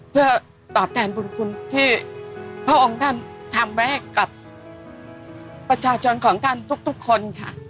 เพื่อตอบแทนบุญคุณที่พระองค์ท่านทำไว้ให้กับประชาชนของท่านทุกคนค่ะ